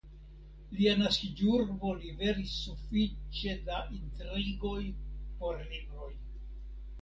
Lia naskiĝurbo liveris sufiĉe da intrigoj por libroj!